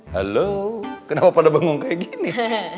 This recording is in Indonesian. halo kenapa pada bangun kayak gini